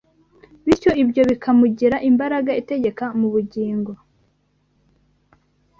bityo ibyo bikamugira imbaraga itegeka mu bugingo.